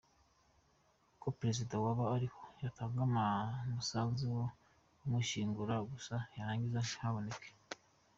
Ko perezida waba ariho yatanga umusanzu wo kumushyingura gusa yarangiza ntahaboneke?